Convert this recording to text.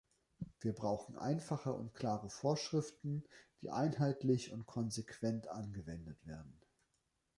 Wir brauchen einfache und klare Vorschriften, die einheitlich und konsequent angewendet werden.